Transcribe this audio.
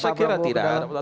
saya kira tidak